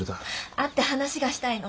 会って話がしたいの。